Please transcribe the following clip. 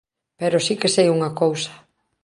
Pero si que sei unha cousa.